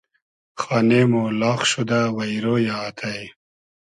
خانې مۉ لاغ شودۂ وݷرۉ یۂ آتݷ